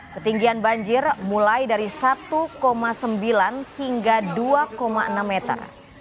ketinggian banjir mulai dari satu sembilan hingga dua enam meter